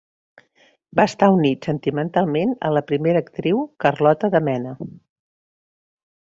Va estar unit sentimentalment a la primera actriu Carlota de Mena.